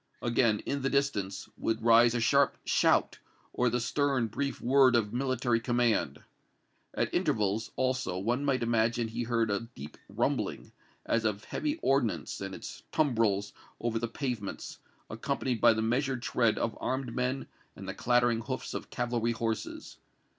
Again, in the distance, would rise a sharp shout, or the stern, brief word of military command. At intervals, also, one might imagine he heard a deep rumbling, as of heavy ordnance and its tumbrels over the pavements, accompanied by the measured tread of armed men and the clattering hoofs of cavalry horses.